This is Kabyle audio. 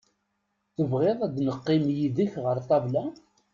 Tebɣiḍ ad neqqim yid-k ɣer ṭabla?